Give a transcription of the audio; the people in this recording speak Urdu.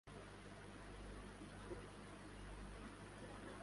جگنو کوئی پاس ہی سے بولا